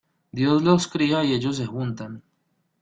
Dios los cría y ellos se juntan.